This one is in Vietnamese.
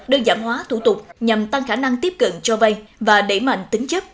đơn giảm hóa thủ tục nhằm tăng khả năng tiếp cận cho vây và đẩy mạnh tính chấp